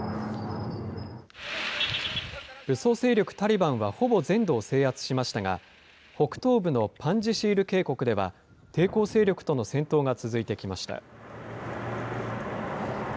武装勢力タリバンは、ほぼ全土を制圧しましたが、北東部のパンジシール渓谷では抵抗勢力との戦闘が続いてきました。